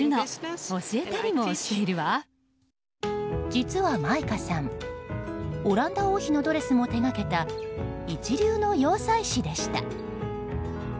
実は、マイカさんオランダ王妃のドレスも手がけた一流の洋裁師でした。